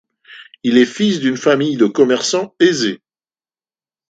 Il est fils d'une famille de commerçants aisés.